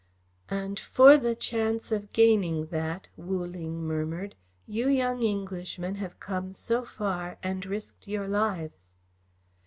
"And for the chance of gaining that," Wu Ling murmured, "you young Englishmen have come so far and risked your lives."